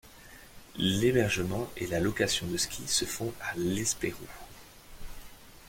L'hébergement et la location de skis se font à l'Espérou.